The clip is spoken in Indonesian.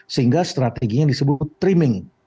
sehingga strateginya disebut trimming